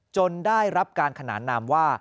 ได้รับการขนานนามว่า